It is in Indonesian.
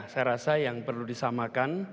saya rasa yang perlu disamakan